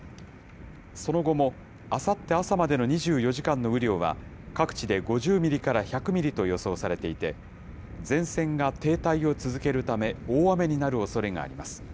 その後もあさって朝までの２４時間の雨量は、各地で５０ミリから１００ミリと予想されていて、前線が停滞を続けるため、大雨になるおそれがあります。